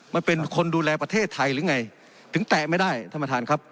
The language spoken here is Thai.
มันเป็นคนดูแลประเทศไทยหรือไงถึงแตะไม่ได้ท่านประธานครับ